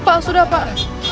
pak sudah pak